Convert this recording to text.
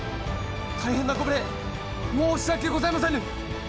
大変なご無礼申し訳ございませぬ！